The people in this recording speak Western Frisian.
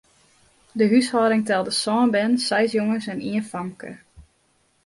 De húshâlding telde sân bern, seis jonges en ien famke.